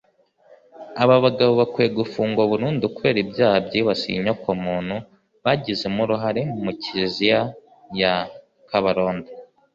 Aba bagabo bakwiye gufungwa burundu kubera ibyaha byibasiye inyokomuntu bagizemo uruhare mu Kiliziya ya Kabarondo